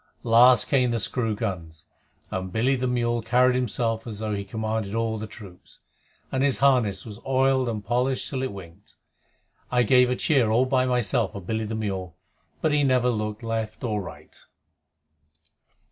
Last came the screw guns, and Billy the mule carried himself as though he commanded all the troops, and his harness was oiled and polished till it winked. I gave a cheer all by myself for Billy the mule, but he never looked right or left.